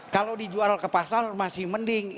kalau dijual ke pasar masih mending